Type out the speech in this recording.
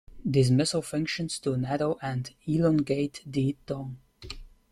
This muscle functions to narrow and elongate the tongue.